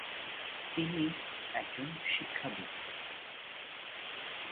তিনি একজন শিক্ষাবিদ।